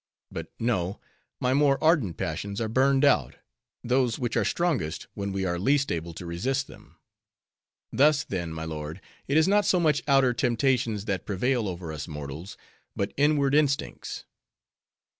But no; my more ardent passions are burned out; those which are strongest when we are least able to resist them. Thus, then, my lord, it is not so much outer temptations that prevail over us mortals; but inward instincts."